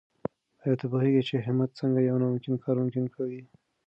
آیا ته پوهېږې چې همت څنګه یو ناممکن کار ممکن کوي؟